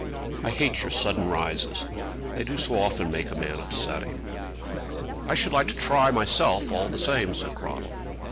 I hate your sudden rises. They do so often make a man upsetting." "I should like to try, myself, all the same," said Cradell.